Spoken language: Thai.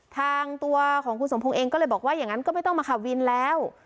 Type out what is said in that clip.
ทางตัวของคุณสมพงศ์เองก็เลยบอกว่าอย่างนั้นก็ไม่ต้องมาขับวินแล้ว